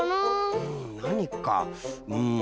うんなにかうん。